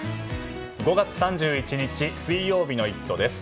５月３１日水曜日の「イット！」です。